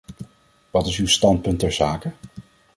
Wat is uw standpunt ter zake?